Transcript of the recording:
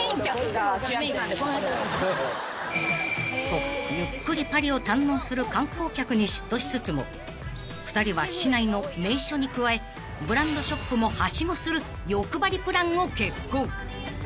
［とゆっくりパリを堪能する観光客に嫉妬しつつも２人は市内の名所に加えブランドショップもはしごする欲張りプランを決行］